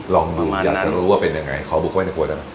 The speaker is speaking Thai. ลองดูอยากจะรู้ว่าเป็นยังไงขอบุกไว้ในกลัวได้ไหม